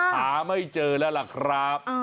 หาไม่เจอแล้วล่ะครับ